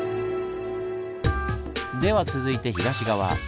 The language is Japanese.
では続いて東側。